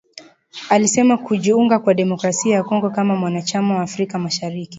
alisema kujiunga kwa Demokrasia ya Kongo kama mwanachama wa Afrika mashariki